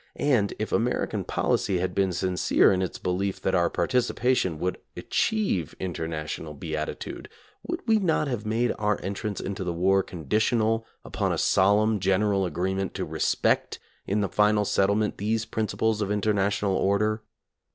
And if American policy had been sincere in its belief that our par ticipation would achieve international beatitude, would we not have made our entrance into the war conditional upon a solemn general agreement to respect in the final settlement these principles of international order?